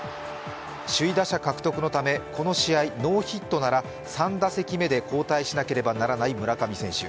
首位打者獲得のため、この試合ノーヒットなら３打席目で交代しなければならない村上選手。